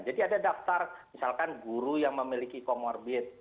jadi ada daftar misalkan guru yang memiliki komorbid